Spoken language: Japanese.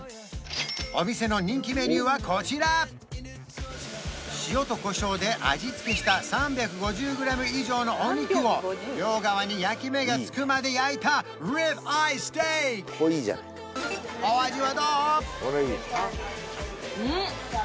お店の人気メニューはこちら塩とコショウで味付けした３５０グラム以上のお肉を両側に焼き目がつくまで焼いたリブアイステーキお味はどう？